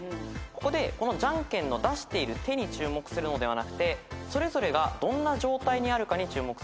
ここでじゃんけんの出している手に注目するのではなくてそれぞれがどんな状態にあるかに注目する必要があります。